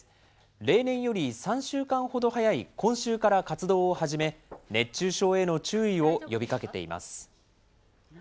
例年より３週間ほど早い今週から活動を始め、熱中症への注意を呼びかけています。